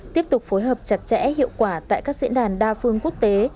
tiếp tục phối hợp chặt chẽ hiệu quả tại các diễn đàn đa phương quốc tế